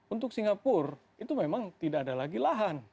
untuk singapura itu memang tidak ada lagi lahan